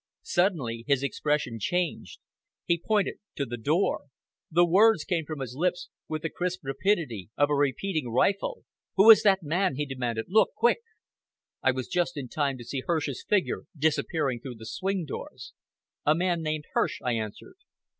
Suddenly his expression changed. He pointed to the door. The words came from his lips with the crisp rapidity of a repeating rifle! "Who is that man?" he demanded. "Look! quick!" I was just in time to see Hirsch's figure disappearing through the swing doors. "A man named Hirsch," I answered.